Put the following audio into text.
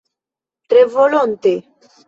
Tre volonte!